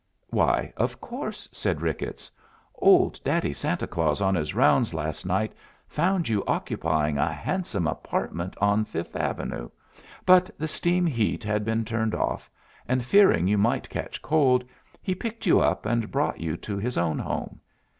"Why, of course," said Ricketts. "Old Daddy Santa Claus on his rounds last night found you occupying a handsome apartment on Fifth Avenue, but the steam heat had been turned off, and, fearing you might catch cold, he picked you up and brought you to his own home.